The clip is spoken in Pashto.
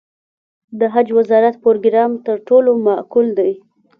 د حج وزارت پروګرام تر ټولو معقول دی.